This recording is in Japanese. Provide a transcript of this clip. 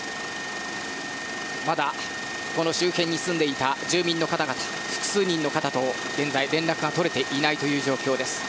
まだこの周辺に住んでいた住民の複数人の方と現在連絡が取れていない状況です。